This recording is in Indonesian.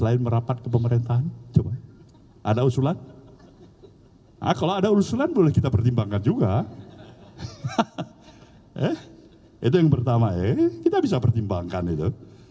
eh itu yang pertama ya kita bisa pertimbangkan itu